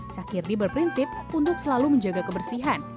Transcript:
sakirdi berprinsip untuk selalu menjaga kebersihan